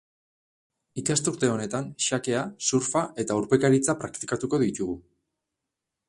Ikasturte honetan xakea, surfa eta urpekaritza praktikatuko ditugu.